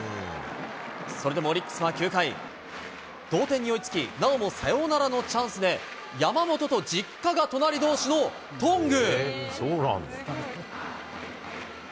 それでもオリックスは９回、同点に追いつき、なおもサヨナラのチャンスで、山本と実家が隣どうしの頓宮。